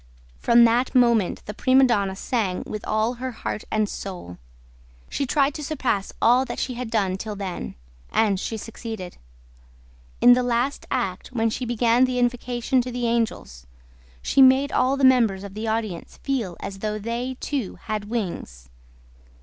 From that moment the prima donna sang with all her heart and soul. She tried to surpass all that she had done till then; and she succeeded. In the last act when she began the invocation to the angels, she made all the members of the audience feel as though they too had wings.